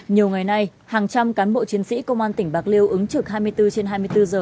nhiều ngày nay hàng trăm cán bộ chiến sĩ công an tỉnh bạc liêu ứng trực hai mươi bốn trên hai mươi bốn giờ